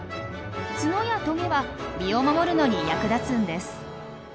ツノやトゲは身を守るのに役立つんです。